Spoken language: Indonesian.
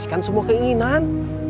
kan semua keinginan